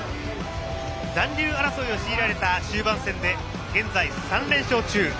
残留争いを強いられた終盤戦で現在３連勝中。